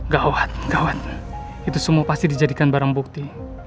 gawat kawan itu semua pasti dijadikan barang bukti